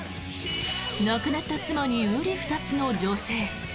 亡くなった妻にうり二つの女性。